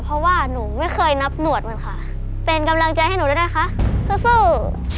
เพราะว่าหนูไม่เคยนับหนวดมันค่ะเป็นกำลังใจให้หนูด้วยนะคะสู้